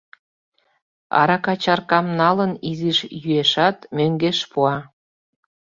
Арака чаркам налын, изиш йӱэшат, мӧҥгеш пуа.